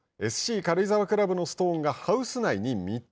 軽井沢クラブのストーンがハウス内に３つ。